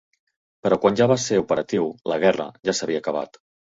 Però quan ja va ser operatiu, la guerra ja s'havia acabat.